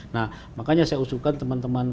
nah makanya saya usulkan teman teman